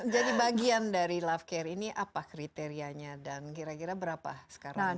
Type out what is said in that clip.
jadi bagian dari love care ini apa kriterianya dan kira kira berapa sekarang anggotanya